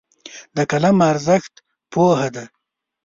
د قلم ارزښت پوهه ده.